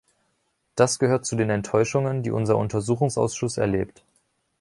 Das gehört zu den Enttäuschungen, die unser Untersuchungsausschuss erlebt.